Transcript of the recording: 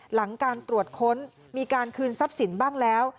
หลังการตรวจค้นมีการคืนทรัพย์สินบ้างแล้ว